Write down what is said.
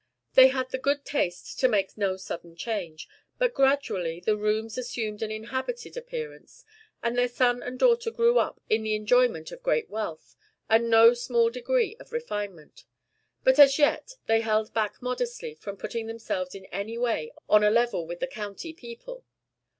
They had the good taste to make no sudden change; but gradually the rooms assumed an inhabited appearance, and their son and daughter grew up in the enjoyment of great wealth, and no small degree of refinement. But as yet they held back modestly from putting themselves in any way on a level with the county people.